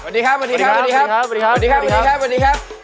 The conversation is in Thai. สวัสดีครับสวัสดีครับสวัสดีครับสวัสดีครับสวัสดีครับสวัสดีครับ